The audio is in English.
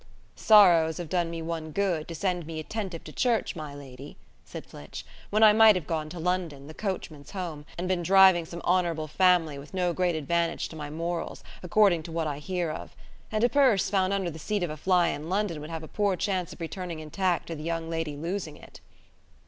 "Sorrows have done me one good, to send me attentive to church, my lady," said Flitch, "when I might have gone to London, the coachman's home, and been driving some honourable family, with no great advantage to my morals, according to what I hear of. And a purse found under the seat of a fly in London would have a poor chance of returning intact to the young lady losing it."